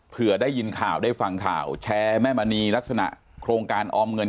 ได้ยินข่าวได้ฟังข่าวแชร์แม่มณีลักษณะโครงการออมเงิน